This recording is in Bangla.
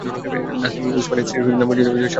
নাসিম ওসমানের স্ত্রীর নাম পারভিন ওসমান।